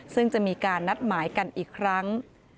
ซึ่งจะมีการนัดหมายกันอีกครั้ง